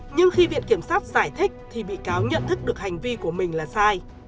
nhưng khi viện kiểm sát giải thích thì bị cáo nhận thức được hành vi của mình là sai